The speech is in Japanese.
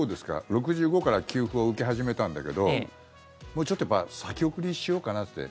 ６５から給付を受け始めたんだけどもうちょっとやっぱり先送りにしようかなって。